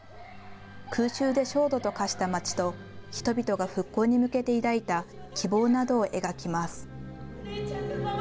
空襲で焦土と化した街と人々が復興に向けて抱いた希望などを描きます。